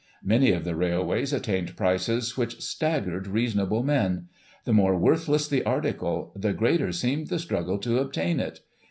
Many of the railways attaifted prices which staggered reasonable men. The more worthless the article, the greater seemed the struggle to obtain it.